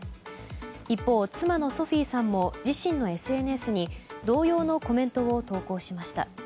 一方、妻のソフィーさんも自身のＳＮＳに同様のコメントを投稿しました。